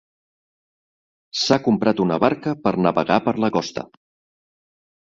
S'ha comprat una barca per navegar per la costa.